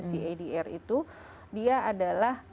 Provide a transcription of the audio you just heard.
cadr itu dia adalah